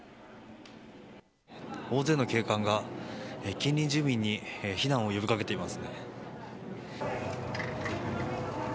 大勢の警官が近隣住民に避難を呼び掛けています。